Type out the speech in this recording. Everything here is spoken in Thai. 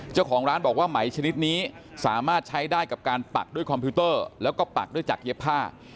เจ้าของร้านบอกว่าไหมชนิดนี้สามารถใช้ได้กับการปักด้วยคอมพิวเตอร์แล้วก็ปักด้วยจากเย็บผ้า